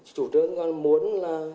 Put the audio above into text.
chủ trương muốn là